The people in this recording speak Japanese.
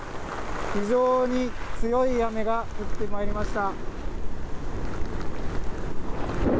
非常に強い雨が降ってまいりました。